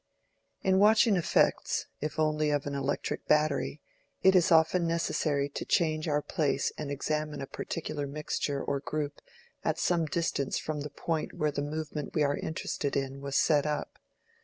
In watching effects, if only of an electric battery, it is often necessary to change our place and examine a particular mixture or group at some distance from the point where the movement we are interested in was set up.